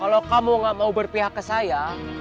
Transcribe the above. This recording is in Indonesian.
kalau kamu gak mau berpihak ke saya